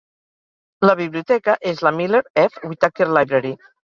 La biblioteca és la Miller F. Whittaker Library.